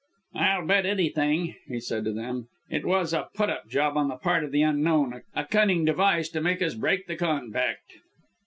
"I'll bet anything," he said to them, "it was a put up job on the part of the Unknown a cunning device to make us break the compact."